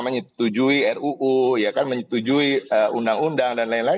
menyetujui ruu menyetujui undang undang dan lain lain